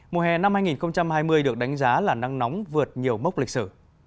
mùa hè năm hai nghìn hai mươi được đánh giá là nắng nóng vượt nhiều mốc lịch sử